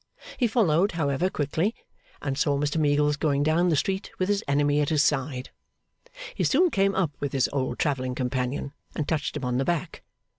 He followed, however, quickly; and saw Mr Meagles going down the street with his enemy at his side. He soon came up with his old travelling companion, and touched him on the back.